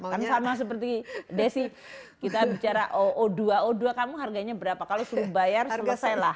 karena sama seperti desy kita bicara o dua o dua kamu harganya berapa kalau disuruh bayar selesailah